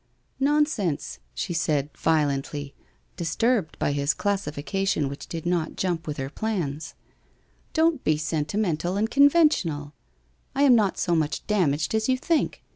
' Nonsense !' she said, violently, disturbed by this classi fication which did not jump with her plans. ' Don't be sentimental and conventional. I am not so much damaged as you think.